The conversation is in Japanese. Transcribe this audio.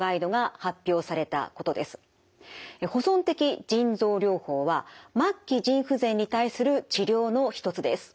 保存的腎臓療法は末期腎不全に対する治療の一つです。